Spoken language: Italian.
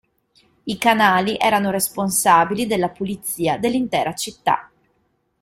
I canali erano responsabili della pulizia dell’intera città.